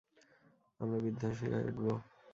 আমরা বিধ্বংসী হয়ে উঠব।